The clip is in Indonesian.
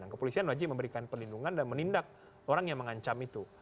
kepolisian wajib memberikan perlindungan dan menindak orang yang mengancam itu